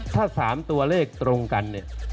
ถ้า๓ตัวเลขตรงกัน